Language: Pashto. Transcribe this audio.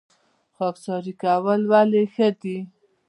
خاکساري کول ولې ښه دي؟